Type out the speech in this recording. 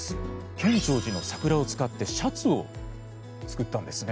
建長寺の桜を使ってシャツを作ったんですね。